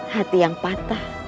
hati yang patah